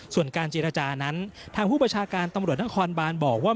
ส่วนการเจรจานั้นทางผู้ประชาการตำรวจนครบานบอกว่า